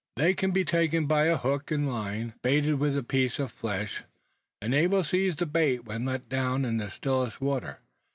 They can then be taken by a hook and line, baited with a piece of flesh; and they will seize the bait when let down in the stillest water.